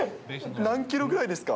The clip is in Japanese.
何キロぐらいですか？